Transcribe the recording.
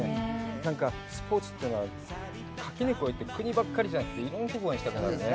なんかスポーツというのは垣根を越えて、国ばっかりじゃなくて、いろんなとこがいいね。